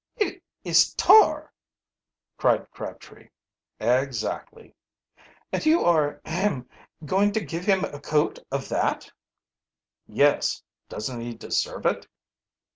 "It is tar!" cried Crabtree. "Exactly." "And you are ahem going to give him a coat of that?" "Yes. Doesn't he deserve it?"